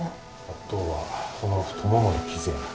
あとはこの太ももの傷やな。